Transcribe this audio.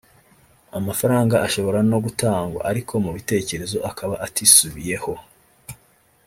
amafaranga ashobora no gutangwa ariko mu bitekerezo akaba atisubiyeho